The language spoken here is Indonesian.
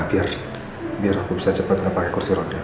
biar aku bisa cepat gak pake kondisi